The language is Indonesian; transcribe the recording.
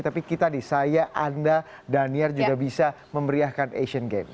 tapi kita nih saya anda daniar juga bisa memeriahkan asian games